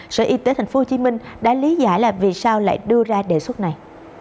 sở y tế tp hcm đã lý giải là vì sao lại đưa ra đề xuất này